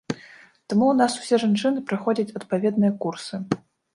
Таму ў нас усе жанчыны праходзяць адпаведныя курсы.